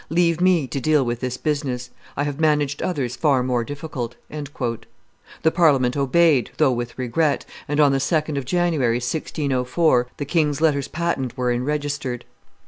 Leave me to deal with this business. I have managed others far more difficult." The Parliament obeyed, though with regret, and on the 2d of January, 1604, the king's letters patent were enregistered.